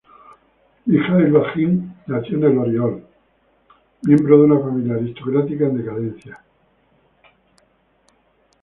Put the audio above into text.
Mijaíl Bajtín nació el en Oriol, miembro de una familia aristocrática en decadencia.